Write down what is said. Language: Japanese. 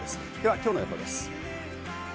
今日の予報です。